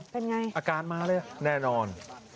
เป็นไงอาการมาเลยแน่นอน